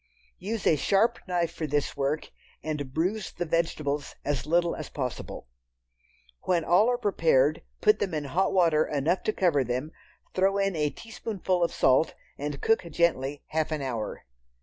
Use a sharp knife for this work and bruise the vegetables as little as possible. When all are prepared, put them in hot water enough to cover them, throw in a teaspoonful of salt and cook gently half an hour.